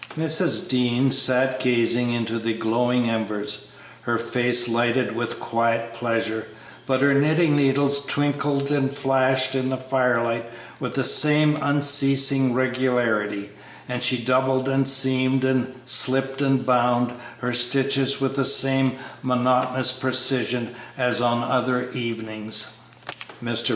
Mrs. Dean sat gazing into the glowing embers, her face lighted with quiet pleasure, but her knitting needles twinkled and flashed in the firelight with the same unceasing regularity, and she doubled and seamed and "slipped and bound" her stitches with the same monotonous precision as on other evenings. Mr.